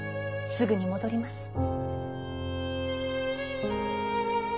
すぐに戻ります。